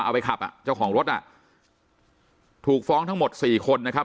เอาไว้ขับอย่างเจ้าของรถถูกฟ้องทั้งหมด๔คนนะครับ